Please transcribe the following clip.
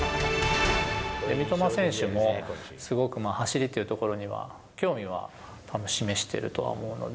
三笘選手もすごく走りというところには興味は示してるとは思うので。